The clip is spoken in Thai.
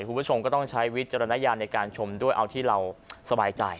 คุณผู้ชมก็ต้องใช้วิจารณญาณในการชมด้วยเอาที่เราสบายใจ